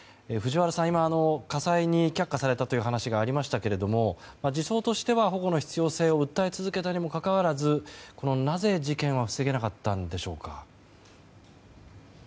藤原さん、今家裁に却下されたという話がありましたけれども児相としては保護の必要性を訴え続けたにもかかわらずなぜ事件は防げなかったんでしょうか？